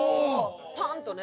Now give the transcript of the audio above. パンとね。